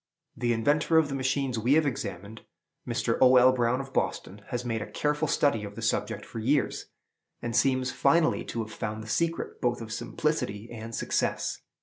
The inventor of the machines we have examined, Mr. O. L. Brown, of Boston, has made a careful study of the subject for years, and seems finally to have found the secret, both of simplicity and success.